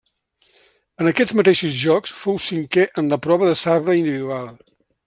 En aquests mateixos Jocs fou cinquè en la prova de sabre individual.